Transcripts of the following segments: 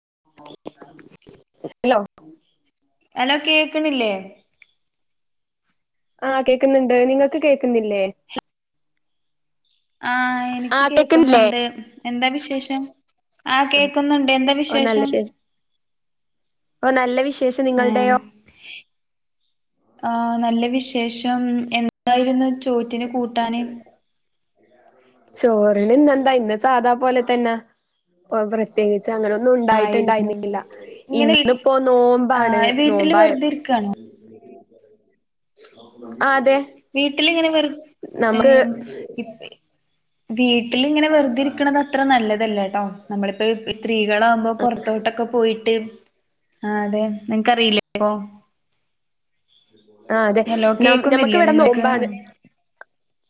Hello hello കേക്ക്ണില്ലേ? ആഹ് കേക്ക്ന്ന്ണ്ട് നിങ്ങക്ക് കേക്ക്ന്നില്ലേ? ആഹ് എനിക്ക് കേക്ക്ന്ന്ണ്ട് എന്താ വിശേഷം? ആഹ് ആ കേക്ക്ന്ന്ണ്ട് എന്താ വിശേഷം? ഓഹ് നല്ല വിഷേ ഏം ആഹ് നല്ല വിഷ് ശേഷം എന്തായിരുന്നു ചോറ്റിന് കൂട്ടാന്? ചോറിന് ഇന്നെന്താ ഇന്ന സാധാ പോലെ തന്നെ പ്രത്യേകി ച്ചങ്ങനൊന്നും ആയിരുന്നുല്ലേ ഉണ്ടായിട്ടുണ്ടായിന്നില്ല ഇങ്ങനെ ഇന്നിപ്പോ നോമ്പാണ് ആഹ് വീട്ടില് നോമ്പ വെറുതെ ഇരിക്കാണോ അതെ വീട്ടിലിങ്ങനെ വെറ് നമുക്ക് ഏഹ് വീട്ട് ട്ടിലിങ്ങെ വെറുതെ ഇരിക്കണത് അത്ര നല്ലതല്ലേ കേട്ടോ നമ്മളിപ്പോ സ്ത്രീകളാകുമ്പോ പൊറത്തോട്ടൊക്കെ പോയിട്ട് ആഹ് അതെ നിനക്ക്റിയില്ലേ ഇപ്പോ ആഹ് അതെ ന നമ്മുക്ക് ഇവിടെ നിങ്ങൾക്ക് നോമ്പാണ്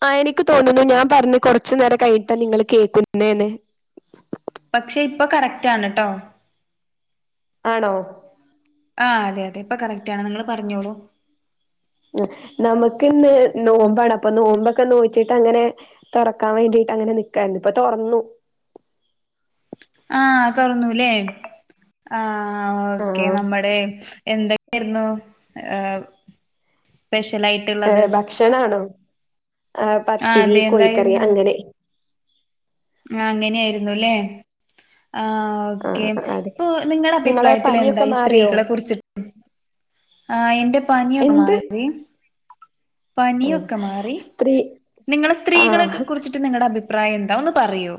ആഹ് എനിക്ക് തോന്നു ഞാൻ പറഞ്ഞ് കൊറച്ചു നേരം കഴിഞ്ഞിട്ടാ നിങ്ങള് കേക്കുന്നെന്ന് പക്ഷേ ഇപ്പോ കറക്റ്റ് ആണ് ട്ടോ ആണോ ആഹ് അതെ അതെ ഇപ്പോ കറക്റ്റ് ആണ് നിങ്ങള് പറഞ്ഞോളൂ നമുക്ക് ഇന്ന് നോമ്പാണ് അപ്പോ നോമ്പൊക്കെ നോറ്റിട്ട് അങ്ങനെ തൊറക്കാൻ വേണ്ടി ട്ടങ്ങനെ നിക്കാരുന്നു ഇപ്പോ തൊറന്നു ആഹ് തുറന്നുല്ലേ ആഹ് ഓക്കെ ആഹ് നമ്മടെ എന്തൊക്കെയാരുന്നു ഏഹ് സ്പെഷ്യലായിട്ട്ള്ളത് ഏഹ് ഭക്ഷണാണോ ആഹ് പത്തിരി കോയിക്കറി അങ്ങനെ അങ്ങനെയാരുന്നു ല്ലേ ആഹ് ഓക്കെ ആഹ് അതെ ഇപ്പോ നിങ്ങടെ നിങ്ങളെ അഭിപ്രായത്തിൽ എന്താ പനിയൊക്കെ ഈ മാറിയോ സ്ത്രീകളെ കുറിച്ചി ആഹ് എന്റെ പനിയൊക്കെ എന്ത് മാറി ആഹ് പനിയൊക്കെ മാറി സ്ത്രീ നിങ്ങള സ്ത്രീകളെക്കെ ആഹ് കുറിച്ചിട്ട് നിങ്ങളുടെ അഭി അഭിപ്രായം എന്താ ഒന്ന് പറയോ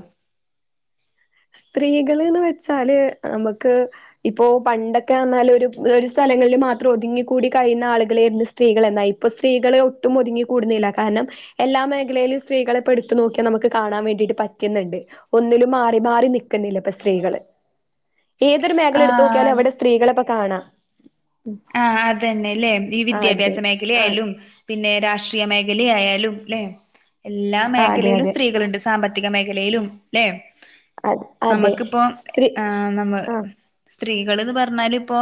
സ്ത്രീകള്ന്ന് വെച്ചാല് നമുക്ക് ഇപ്പോൊ പണ്ടൊക്കെ വന്നല് ഒരു സ് സ്ഥലങ്ങളിൽ മാത്രം ഒതുങ്ങ കൂടി കഴിയുന്ന ആളുകളൾായിരുന്നു സ്ത്രീകൾ എന്നായി ഇപ്പോൾ സ്ത്രീകൾ ഒട്ടും ഒതുങ്ങി കൂടുന്നില്ല കാരണം എല്ലാ മേഖലയിലും സ്ത്രീകളെ പടുത്തു നോക്കിയ നമുക്ക് കാണാൻ വേണ്ടിട്ട് പറ്റുന്നുണ്ട് ഒന്നും റി നക്കുന്നില്ല സ്ത്രീകള് ഏതൊരു മേഖല എടുത്ത് നോക്കിയാലും ആഹ് അവിടെ സ്ത്രീകളെ കാണാം ആ അതന്നെല്ലേ ഈ അതെ വിദ്യാഭ്യാസ ആ മേഖലയാലും പിന്നെ രാഷ്ട്രീയ മേഖല ആയാലും അല്ലെ എല്ലാ അതെ മേഖലയിലും അതെ സ്ത്രീകളുണ്ട് സാമ്പത്തിക മേഖലയിലും അല്ലെ അത് അതെ നമക്കിപ്പോ സ്ത്രീ നമ്മ ആ സ്ത്രീകൾന്ന് പറഞ്ഞാൽ ഇപ്പോൊ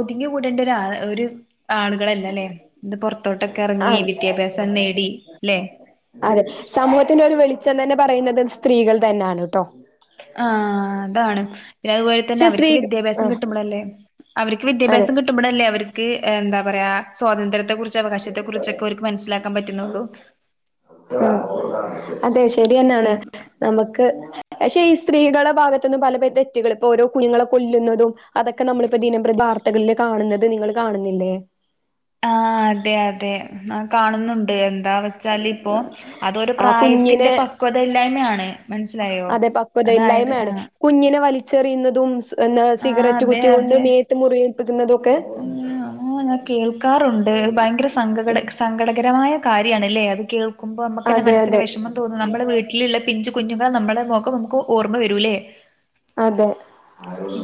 ഒതുങ്ങി കൂടേണ്ടരാൾ ഒരു ആളുകളല്ല അല്ലേ ഇത് പുൊറത്തോട്ടൊക്കെ ഇറങ്ങി അതെ വിദ്യാഭ്യാസം നേടി അല്ലെ അതെ സമൂഹത്തിന്റെ ഒരു വെളിച്ചം തന്നെ പറയുന്നത് സ്ത്രീകൾ തന്നെയാണ് കേട്ടോ ആ അതാണ് പിന്നെ അതുപോലെ തന്നെ പക്ഷെ സ്ത്രീ അവർക്ക് വിദ്യാഭ്യാസം ആഹ് കിട്ടുമ്പോല്ലേ അവർക്ക് അതെ വിദ്യാഭ്യാസ കിട്ടുമ്പോല്ലേ അവർക്ക് എന്താ പറയാ സ്വാതന്ത്ര്യത്തെ കുറിച്ച് അവകാശത്തെ കുറിച്ചൊക്കെ അവർക്ക് മനസ്സിലാക്കാൻ പറ്റുന്നുള്ളൂ ആ അതെ ശരിയന്നാണ് നമുക്ക് പക്ഷെ ഈ സ്ത്രീകള ഭാഗത്തുന്ന് പല പ തെറ്റൾ ഇപ്പോൊ ഓര കുുങ്ങളെ കൊല്ലുന്നതും അതൊക്കെ നമ്മിപ്പോ ദിനം പ്രതി വാർത്തകളില് കാണുന്നത് നിങ്ങൾ കാണുന്നില്ലേ ആ അതെ അതെ നാ കാണുന്നുണ്ട് എന്ത് എന്താ വെച്ചാൽ ഇപ്പോൊ അതൊരു ആ കുഞ്ഞിനെ പ്രായത്തിന്റെ പക്വത ഇല്ലായ്മയാണ് മനസ്സിലായോ അതായത് ല്ലായ്മണ് ആഹ് കുഞ്ഞിന ച്ചെറിയുന്നതും എന്ന ആഹ് സിഗരറ്റ് കുറ്റി കൊണ്ട് മേത്ത് മുറിയിൽപ്പിക്കുന്നതും അ ആ ഞാൻ കേൾക്കാറുണ്ട് ഭയങ്കര സങ്കട സങ്കടകരമായ കാര്യണല്ലേ അത് കേൾുമ്പോ നമുക്ക്നെ അതെ മനസ്സിന് അതെ വിഷമം തോന്നും വീട്ടിലുള്ള പിഞ്ചു കുഞ്ഞുങ്ങളൾ നമ്മള മുഖം നമുക്ക് ഓർമ്മ വരൂല്ലേ അതെ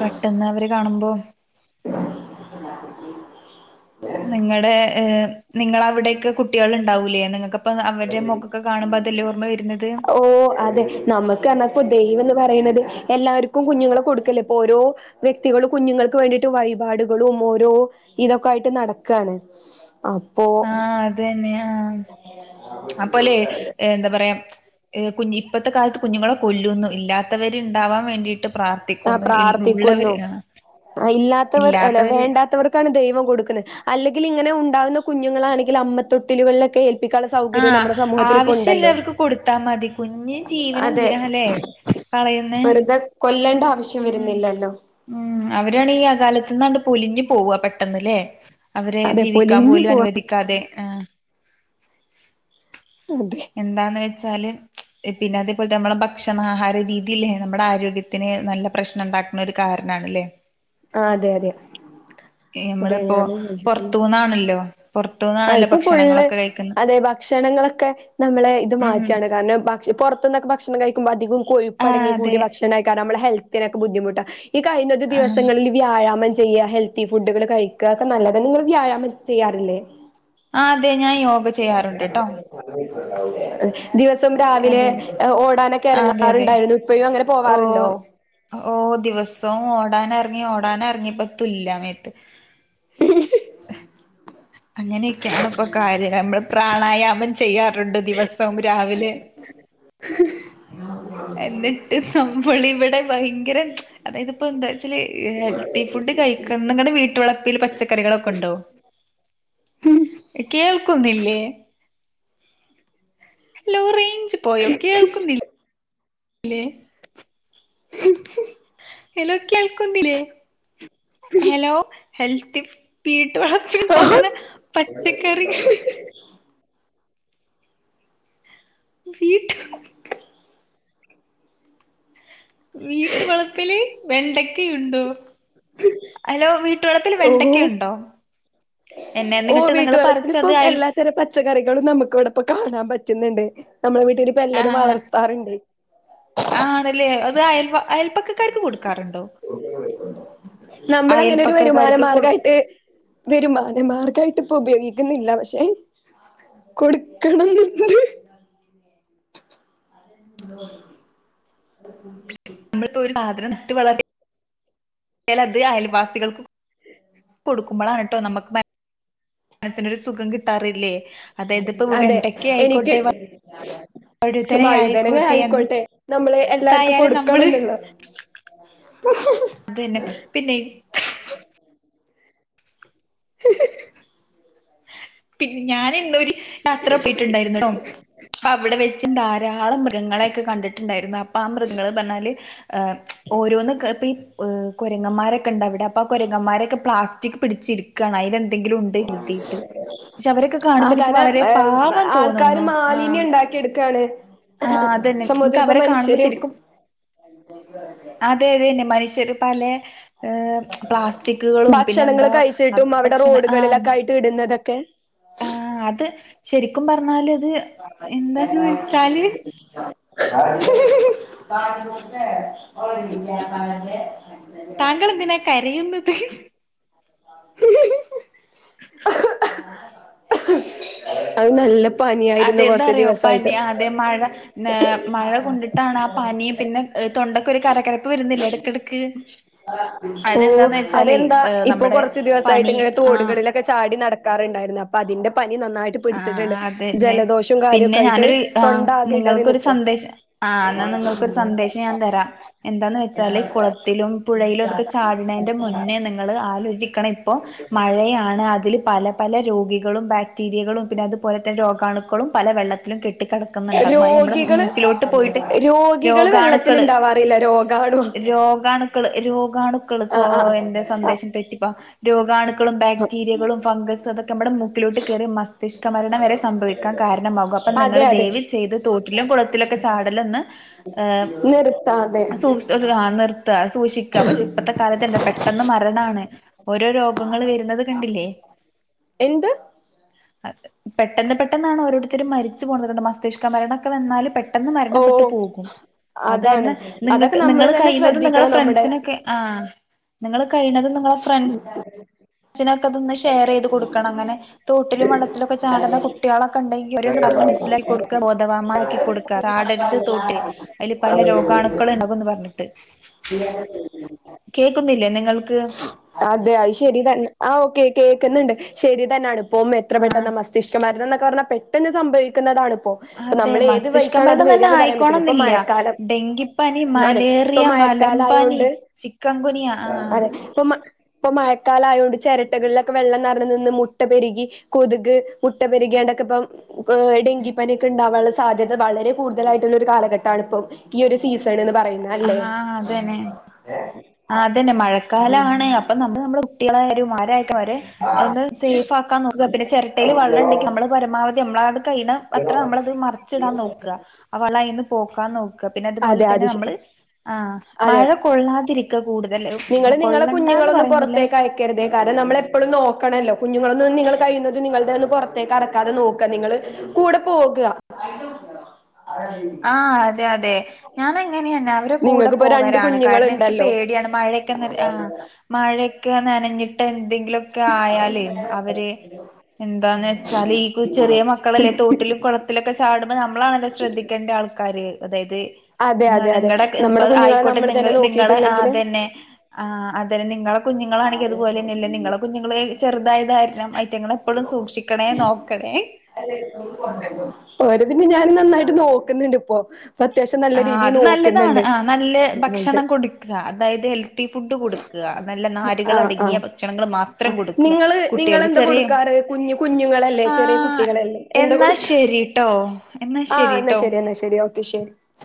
പെട്ടെന്ന് അവര് കാണുമ്പോ [unintelligible] നിങ്ങൾ നിങ്ങൾ അവിടെൊക്കെ കുട്ടികൾ ഉണ്ടാവൂലേ നിങ്ങക്ക്പ്പ അവരുടെ മക്കൊക്കെ കാണുമ്പോ ബദല് ഓർമ്മ വരുന്നത് ഓ അതെ നമുക്ക് നപ്പോ പറയുന്നത് എല്ലാവർക്കും കുഞ്ഞുങ്ങളെ കൊടുക്കല്ലേപ്പോ ഓരോ വ്യക്തികള കുഞ്ഞുൾക്ക് വേണ്ടിട്ട മറ്റു വഴിപാടുകളും ഓരോ ഇതൊക്കെ ആയിട്ട് നടക്കുകയാണ് ആ അത് തന്നെയ ആ അപ്പോല്ലെ എന്താ പറയാ കു ഇപ്പോത്തെ കാലത്ത് കുഞ്ഞുങ്ങളെ കൊല്ലുന്നു ഇല്ലാത്തവര് ഉണ്ടാവാൻ വേണ്ടിയിട്ട് ആ പ്രാർത്ഥിക്കുന്നു. ഇൽ പ്രാർത്ഥിക്കുന്നു ഉള്ളവര് ആഹ് ഇല്ലാത്തവർ അല്ല ഇല്ലാത്തവര് വേണ്ടാത്തവർക്കാണ് ദൈവം കൊടുക്കുന്നത് അല്ലെങ്കിൽ ഇങ്ങനെ ഉണ്ടാവുന്ന കുഞ്ഞുങ്ങളാണെങ്കിൽ അമ്മത്തൊട്ടിലുകളിലൊക്കെ എ ക്ക സൗകര്യം ആഹ് നമ്മുടെ സമൂഹത്തി ഇപ്പ ഉണ്ടല്ലോ ആവശ്യള്ളവർക്ക് കൊടുത്താ മതി കുഞ്ഞ് അതെ ജീവനെന്തിനാല്ലേ കളയുന്നേ വെറുതെ കൊല്ലണ്ട ഉം ഉം അവരാണി ഈ യഥാ കാലത്ത്ന്നാണ്ട് പൊലിഞ്ഞു പോവുക പെട്ടെന്ന് ല്ലേ അവരെ അതെ ജീവിക്കാൻ പൊലിഞ്ഞു പോലും പോവാ അനുവദിക്കാതെ അ അതെ എന്താന്ന് വെ ച്ചാല് പിന്നെ അത് ഇപ്പഴത്ത നമ്മടെ ഭക്ഷണ ആഹാര രീതില്ലേ നമ്മടെ ആരോഗ്യത്തിന് നല്ല പ്രശ്നം ഉണ്ട ണ്ടാക്കണ ഒര് കാരണാണ് ല്ലേ. ആ അതെ അതെ നമ്മള് അതെ ഇപ്പോ ഞാനും യോജിക്കുന്നു പോറത്തൂന്നാണല്ലോ ആ ഇപ്പോ ഫുള്ള് അതെ ഭക്ഷണങ്ങളൊക്കെ ക്ക നമ്മളെ ഇത് ഉം മാറ്റണ് കാരണം ഭ പോറത്തുന്നൊക്കെ ഭക്ഷണം കഴിക്കുമ്പോൾ അധികോം കൊഴുപ്പ് ആഹ് അടങ്ങിയ അതെ കൂടിയ ഭക്ഷണെയ്ക്കാരം അമ്മളെ ഹെൽത്തിനൊക്കെ ബുദ്ധിമുട്ടാ ഈ കഴിഞ്ഞ ഒര് ആഹ് ദിവങ്ങളില് വ്യായാമം ചെ ചെയ്യ ഹെൽത്തി ഫുഡുകള് കഴിക്ക ഒക്കെ നല്ലതാ നിങ്ങള് വ്യായാമം ചെയ്യാറില്ലേ? ആ അതെ ഞാൻ യോഗ ചെയ്യാറ്ണ്ട് ട്ടോ. ദിവസം രാവിലെ അതെ ഓടാനൊക്കെ അതെ അതെ എറങ്ങാറ്ണ്ടായ്രുന്നു. ഇപ്പഴും അങ്ങനെ ഓ പോവാറുണ്ടോ? ഓ ദിവസവും ഓടാന് എറങ്ങി ഓടാന് ഇറങ്ങിയപ്പ തുല്യമേത്ത് അങ്ങനെയൊക്കെയാണ് ഇപ്പോ കാര്യം നമ്മള് പ്രാണായ യാമം ചെയ്യാറുണ്ട് ദിവസം രാവിലെ എന്നിട്ട് [unintelligible] ഫുള്ള് ഇവിടെ ഭയങ്കര അതായത് ഇപ്പോ എന്താച്ചാല് ഹെൽത്തി ഫുഡ് കഴിക്കണന്ന് നിങ്ങള്ടെ വീട്ട് വള ട്ടീൽ പച്ചക്കറികളൊക്കെണ്ടോ കേൾക്കുന്നില്ലേ? ലോ റേഞ്ച് പോയൊ കേൾക്കുന്നില് ല്ലേ? ഹലോ കേൾക്കുന്നില്ലേ ഹലോ ഹെൽത്തി ഫു വീട്ടുവളപ്പിൽ ണ്ടാവുന്ന പച്ചക്കറികള് വീട്ടു വീട്ട് വളപ്പില് വെണ്ടക്കയുണ്ടോ? Hello V ട്ടുവളപ്പില് വെണ്ടക്കയുണ്ടോ? എന്നെ ഓഹ് എന്നിട്ട് നിങ്ങൾ വീട്ടുവളപ്പില് പറിച്ചത് ഇപ്പം അയൽ എല്ലാത്തരം പച്ചക്കറികളും നമുക്ക് ഇവിടെ ഇപ്പ കാണാൻ പറ്റ്ന്ന്ണ്ട്. നമ്മളെ വീട്ടില് ഇപ്പ എല്ലതും ആഹ് വളർത്താറ്ണ്ട്. ആണല്ലേ അത് അയൽവ അയൽപ്പക്കക്കാർക്ക് കൊട്ക്കാറ്ണ്ടോ? നമ്മൾ അങ്ങനെ ഒരു വരുമാന മാർഗമായിട്ട് വരുമാന മാർഗ ഇപ്പയിട്ട് ഇപ്പോ ഉപയോഗിക്കുന്നില്ല. പഷേ കൊടുക്കണംന്ന്ണ്ട്. നമ്മള്പ്പോ ഒരു സാധനം നട്ട് വളർ [unintelligible] അത് അയൽവാസികൾക്കും കൊടുക്കുമ്പോളാണ് ട്ടോ നമുക്ക് മനസ്സിനൊരു സുഖം കിട്ടാറ് ഇല്ലേ അതായത് ഇപ്പോ അതെ വെണ്ടക്ക എനിക്ക് ആയിക്കോട്ടെ വ വഴുതന വഴുതനങ്ങ ആയിക്കോട്ടെ എൻ നമ്മള് എല്ലാർക്കും എന്തായാലും കൊടുക്കണം നമ്മള് എന്നുള്ള അതന്നെ പിന്നെ [unintelligible] പിന്നെ ഞാന് ഇന്ന് ഒരു യാത്ര പോയിട്ടുണ്ടായിരുന്നു ട്ടോ അപ്പ അവിടെ വെച്ച് ധാ രാളം മൃഗങ്ങളെ ഒക്കെ കണ്ടിട്ടുണ്ടായിരുന്നു അപ്പോ ആ മൃഗങ്ങള് പറഞ്ഞാല് ഏ ഓരോന്ന് ഇപ്പ ഈ ഹ് കുരങ്ങന്മാരെക്കണ്ടവിടെ അപ്പ ആ കൊരങ്ങന്മാരൊക്കെ പ്ലാസ്റ്റിക്ക് പിടിച്ചിരിക്കാണ് അതിലെ ന്തെങ്കിലും ഉണ്ട് എഴുതീട്ട് അവരൊക്കെ ആ കാണുമ്പ എനിക്ക് കാരണം വളരെ പാവം ആൾക്കാര് തോന്നുന്നു ആഹ് മാലിന്യം ഉണ്ടാക്കിയെടുക്കാണ് ആഹ് അതന്നെ എൻക്ക് സമൂഹത്തിൽ ഇപ്പ അവരെ കാണുമ്പോ മനുഷ്യര് ശരിക്കും ആയിശരി പലേ ഏർ പ്ലാസ്റ്റിക്കുകളും പിന്നെ ഭക്ഷണങ്ങൾ എന്താ കഴിച്ചിട്ടും അവിടെ ഭക്ഷണ ആ റോഡുകളിലൊക്കെ ആയിട്ട് ഇടുന്നതൊക്കെ ആ അത് ശരിക്കും പറഞ്ഞാല് ആ [inaudible] കാ [inaudible] താങ്കൾ എന്തിനാ കരയുന്നത് അത് നല്ല പനിയായിരുന്നു കൊറച്ച് അതെന്താറിയോ ദിവസായിട്ട് പനി അതെ മഴ നേ തൊണ്ടക്ക് ഒരു കരകരപ്പ് വരുന്നില്ല ഇടക്കിടക്ക് ഓ അതെന്താ ഏഹ് ഇപ്പൊ നമ്മടെ കുറച്ച്ു ദിവസമായിട്ട് പനി ഇങ്ങനെ ആഹ് തോടുകളിലൊക്കെ ചാടി നടക്കാറുണ്ടായിരുന്നു അപ്പൊ അതിന്റെ പനി നന്നായിട്ട് ആ പിടിച്ചിട്ടുണ്ട് അതന്നെ ജലദോഷവും പിന്നെ കാര്യൊക്കെ ആയിട്ട് ഞാനൊരു ആ തൊണ്ട ആകെ ഇടറി നിങ്ങൾക്കൊരു നിക്കാ സന്ദേശം ആ ആ എന്നാ നിങ്ങക്കൊരു സന്ദേശം ഞാൻ തരാം എന്താന്ന് വെച്ചാല് കുളത്തിലും പുഴയിലും ഇതൊക്കെ ചാടുന്നന്റെ മുന്നേ നിങ്ങ ആലോചിക്ക ഇപ്പോ മഴയാണ് അതിൽ പല പല രോഗികളും മീരികളുംന്നെ അതുപോലെന്നെ രോഗാണുളും പല വെള്ളത്തിലും കെട്ടി കിടക്കുന്നുണ്ട നമ്മുടെ രോഗികള് മൂക്കിലോട്ട് പോയിട്ട് രോഗികള് വെള്ളത്തിൽ രോഗാണുക്കള് ഇണ്ടാവാറില്ല രോഗാണു രോഗാണുക്കള് രോഗാണു സ ആഹ് ആഹ് എന്റെ ആഹ് സന്ദേശം തെറ്റിപ്പ രോഗാണുക്കളും ബാക്ടീരിയകളും ഫംഗസും അതൊക്കെ നമ്മുടെ മൂക്കിലോട്ട് കയറി മസ്തിഷ്ക മരണം വരെ സംഭവിക്കാൻ കാരണമാകും അപ്പം നിങ്ങൾ അതെ അതെ ദേവ് ചെയ്ത് തോട്ടിലും കുളത്തിലൊക്കെ ചാട നിർത്താതെ സൂക്ഷ നിർത്ത സൂക്ഷിക്ക പക്ഷെ ഇപ്പത്തെ കാലത്തണ്ട പെട്ടെന്ന് മരണാണ് ഓരോ രോഗങ്ങള് വരുന്നത് കണ്ടില്ലേ എന്ത് പെട്ടെന്ന് പെട്ടെന്നാണ് ഓരോരുത്തരും മരിച്ചു പോകുന്നത് രണ്ട് മാസം മസ്തിഷ്ക മരണമൊക്കെ വന്നാലല് പെട്ടെന്ന് ഓ മരണപ്പെട്ടു പോകും അത് അതാണ് കാരണം അതൊക്കെ നിങ്ങൾക്ക് നമ്മള് നിങ്ങള് തന്നെ കഴിയുന്നത് നിങ്ങളെ ശ്രദ്ധിക്കണം നമ്മടെ ഫ്രണ്ട്സിനൊക്കെ ആ നിങ്ങൾ കഴിഞ്ഞത് നിങ്ങളെ ഫ്രണ്ട്സ്സിനൊക്കെ അതൊന്ന് ഷെയർ ചെയ്ത് കൊടുക്കണം അങ്ങനെ തോട്ടിലും വെള്ളത്തിലുംൊക്കെ ചാടുന്ന കുട്ടികളൊക്കെണ്ടെങ്കി മസ്സിലാക്കടുക്ക ബോധവമാക്കി കൊടുക്കുക പടരുത് തോട്ടെ അതില് പല രോഗാണുക്കൾ ഉണ്ടവന്ന് പറഞ്ഞിട്ട് കേൾക്കുന്നില്ലേ നിങ്ങൾക്ക് അതെ അത് ശരി തന്നെ ആ് ഓക്കെ കേക്കുന്നുണ്ട് ശരി തന്നൊണ് ഇപ്പ എത്ര ആഹ് പെട്ടെന്ന് മസ്തിഷ്കമാരണം എന്നൊക്ക പറാഞാൽ പെട്ടെന്ന് സംഭവിക്കുന്നതാണ് അതെ നമ്മൾ ഏത് മസ്തിഷ്ക വൈിക്കാണ് അത് മരണം തന്നെ വരിന്ന് പറയാൻ പറ്റില്ല ഇപ്പ ആയിക്കോണംന്നില്ല മഴക്കാലം ഡെങ്കിപ്പനി അതെ മലേറിയ മലമ്പനി മഴക്കാലമായോണ്ട് ചിക്കൻ ഗുനിയ ആഹ് അതെ ഇപ്പ ഇപ്പൊ മഴക്കാലയതുകൊണ്ട് ചിരട്ടകളിലൊക്കെ വെള്ളം നിറഞ്ഞു നിന്ന് മുട്ട പെരുകി കൊതുക് കുറ്റപ്പെരുകേണ്ടൊക്കെ ഇപ്പം ഡെങ്കിപ്പനിയൊക്കെ ഉണ്ടാകാനുള്ള സാധ്യത വളരെ കൂടുതലായിട്ടുള്ളൊ ഒരു കാലഘട്ടമാണ് ഇപ്പം ഈ ഒരു സീസൺന്ന് പറയുന്ന അല്ലേ ആഹ് അതന്നെ ആ അതന്നെ മഴക്കാലാണ് അപ്പൊ നമ്മള് നമ്മുടെ കുട്ടികളായ ഓരോത്തരെ ഒന്ന് സേഫ്ക്കാൻ നോുക പിന്നെ ചിരട്ടയിൽ വെള്ളമുണ്ടെങ്കിൽ നമ്മള് പരമാവധി നമ്മള അത്ര നമ്മൾ ഇത് മറിച്ചിടാൻ നോക്ക് പോക്കാൻ നോക്കുക പിന്നെ അതുപോലെ അതെ തന്നെ അത് നമ്മൾ ശരി ആ മഴ കൊള്ളാതിരിക്ക കൂടുതല് നിങ്ങള്ൾ നിങ്ങളെ കൊള്ളണ്ടാന്ന് കുഞ്ഞുങ്ങളൊന്നും പറയുന്നില്ല പുറത്തേക്ക് അയക്കരുതേ കാരണം നമ്മൾ എപ്പോഴും നോക്കണല്ലോ കുഞ്ഞുങ്ങളൊന്ന നിങ്ങ കഴിയുന്നത് നിങ്ങളുടെ ഒന്ന് പുറത്തേക്ക് അടക്കാതെ നോക്കുക നിങ്ങള് കൂടെ പോകുക ആ അതെ അതെ ഞാാന അങ്ങനെയന്നെ അവരെ കൂടെ നിങ്ങൾക്കിപ്പോ രണ്ട് പോവരാണ് കാരണം എനിക്ക് കുഞ്ഞുങ്ങളുണ്ടല്ലോ പേടിയാണ് മഴയൊക്കെ ആ മഴ നനഞ്ഞിട്ട് എന്തെങ്കിലുമൊക്കെ ആയാലും അവര് എന്താന്ന് വെച്ചാൽ ഈ ചെറിയ മക്കളല്ലേ തോട്ടിലും കുളത്തിലൊക്കെ ചാടുമ്പോൾ നമ്മളാണല്ലോ ശ്രദ്ധിക്കേണ്ട ആൾക്കാര് അതായത് അതെ അതെ അതെ നിങ്ങടെ ഇപ്പൊ നമ്മുടെ കുഞ്ഞുങ്ങളെ ആയിക്കോട്ടെ നി നമ്മൾ തന്നെ നിങ്ങളെ നിങ്ങടെ ആ നോക്കിയിട്ടില്ലെങ്കില് അത് തന്നെ ആ അതം നിങ്ങളെ കുഞ്ഞുങ്ങളാണെങ്ക അതുപല തന്നെല്ല നിങ്ങളെ കുഞ്ഞുങ്ങള്ൾ ചെറുതായ കാരണം ഐറ്റങ്ങൾ എപ്പോഴും സൂക്ഷിക്കണേ നോക്കണേ ഓരെപിന്നെ ഞാനും നന്നായിട്ട് നോക്കുന്ന്ണ്ട് പ്പോ ആ അത് നല്ലതാണ് ആ നല്ല അതെ ഭക്ഷണം കൊടുക്ക അതായത് ഹെൽത്തി ഫുഡ് കൊടുക്ക നല്ല നാരുകൾ ആഹ് അടങ്ങിയ ഭക്ഷണങ്ങൾ മാത്രം കൊടുക്ക കു ങ്ങളെ ന്താ കൊടുക്കാറ് കുഞ്ഞു കുഞ്ഞുങ്ങളല്ലേ ചെറ്യേ ആഹ് കുട്ടികളല്ലേ എന്താ എന്നാ കൊട്ക്കാ ശരിട്ടോ എന്നാ ആഹ് ന്നാ ശരിട്ടോ ശരി എന്നാ ശരി ഓക്കെ ശരി